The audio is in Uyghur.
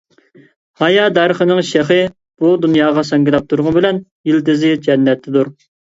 ھايا دەرىخىنىڭ شېخى بۇ دۇنياغا ساڭگىلاپ تۇرغىنى بىلەن يىلتىزى جەننەتتىدۇر.